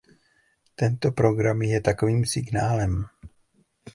Tento program je takovým signálem.